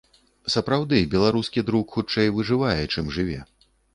Сапраўды, беларускі друк хутчэй выжывае, чым жыве.